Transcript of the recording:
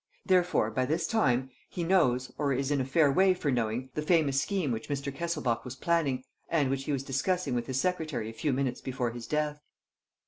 Therefore, by this time, he knows, or is in a fair way for knowing, the famous scheme which Mr. Kesselbach was planning, and which he was discussing with his secretary a few minutes before his death."